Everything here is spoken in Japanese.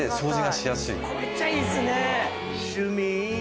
めっちゃいいですね。